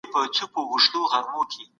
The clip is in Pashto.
د قران کريم عزت وکړئ.